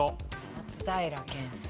松平健さん。